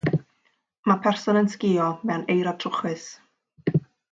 Mae person yn sgïo mewn eira trwchus.